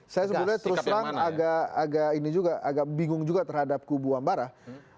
saya sebenarnya terus terang agak ini juga agak bingung juga terhadap kubu ambarah